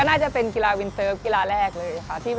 น่าจะเป็นกีฬาวินเซิร์ฟกีฬาแรกเลยค่ะ